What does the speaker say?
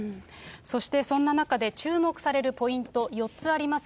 そしてそんな中で、注目されるポイント、４つあります。